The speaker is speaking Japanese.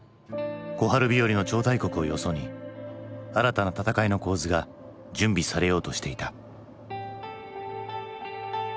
小春日和の超大国をよそに新たな戦いの構図が準備されようとしていた。